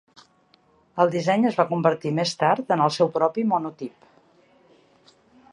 El disseny es va convertir més tard en el seu propi monotip.